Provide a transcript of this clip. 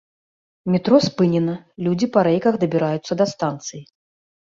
Метро спынена, людзі па рэйках дабіраюцца да станцыі.